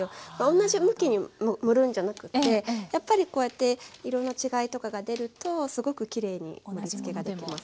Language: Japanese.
同じ向きに盛るんじゃなくてやっぱりこうやって色の違いとかが出るとすごくきれいに盛りつけができます。